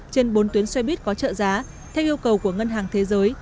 trên bốn tuyến xe buýt có trợ giá theo yêu cầu của ngân hàng thế giới